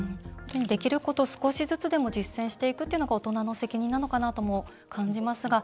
できること少しずつでも実践していくというのが大人の責任なのかなとも感じますが。